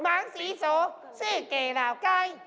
มังศรีโสซื้อเก๋เหล่าใกล้